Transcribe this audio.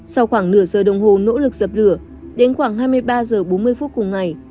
sau khoảng nửa giờ đồng hồ nỗ lực dập lửa đến khoảng hai mươi ba h bốn mươi phút cùng ngày